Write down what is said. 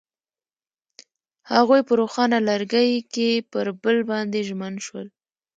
هغوی په روښانه لرګی کې پر بل باندې ژمن شول.